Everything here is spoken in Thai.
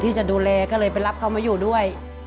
ที่จะดูแลก็เลยไปรับเขามาอยู่ด้วย